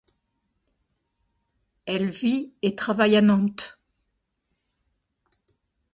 Elle vit et travaille à Nantes.